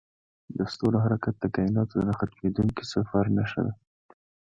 د ستورو حرکت د کایناتو د نه ختمیدونکي سفر نښه ده.